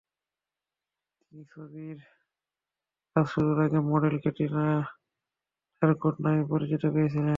তিনি ছবিটির কাজ শুরুর আগে মডেল ক্যাটরিনা টারকোট নামেই পরিচিতি পেয়েছিলেন।